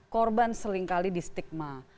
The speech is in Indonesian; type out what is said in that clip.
korban seringkali di stigma